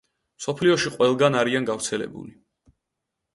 მსოფლიოში ყველგან არიან გავრცელებული.